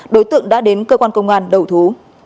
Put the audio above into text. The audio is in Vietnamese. đối tượng đã đến cơ quan công an đầu thú